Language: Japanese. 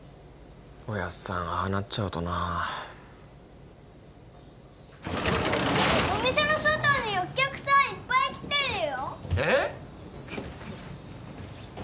おやっさんああなっちゃうとなお店の外にお客さんいっぱい来てるよえっ？